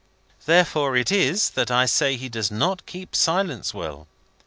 Therefore it is, that I say he does not keep silence well.